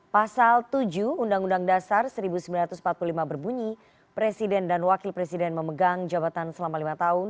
pasal tujuh undang undang dasar seribu sembilan ratus empat puluh lima berbunyi presiden dan wakil presiden memegang jabatan selama lima tahun